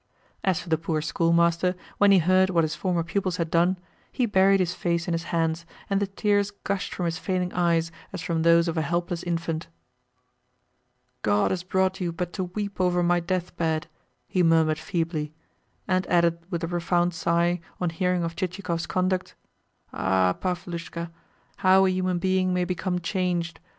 As for the poor schoolmaster, when he heard what his former pupils had done, he buried his face in his hands, and the tears gushed from his failing eyes as from those of a helpless infant. "God has brought you but to weep over my death bed," he murmured feebly; and added with a profound sigh, on hearing of Chichikov's conduct: "Ah, Pavlushka, how a human being may become changed!